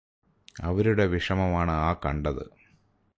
അവരുടെ വിഷമമാണ് ആ കണ്ടത്